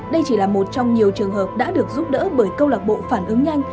đây chỉ là một trong nhiều trường hợp đã được giúp đỡ bởi câu lạc bộ phản ứng nhanh